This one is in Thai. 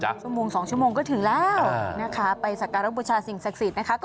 ชั่วโมงสองชั่วโมงก็ถึงแล้วนะคะไปสักการะบูชาสิ่งศักดิ์สิทธิ์นะคะ